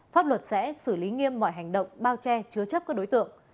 pháp luật sẽ xử lý nghiêm mọi hành động bao che chứa chấp các đối tượng